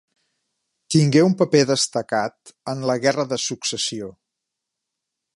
Tingué un paper destacat en la Guerra de Successió.